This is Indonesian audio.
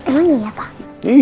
emangnya ya pak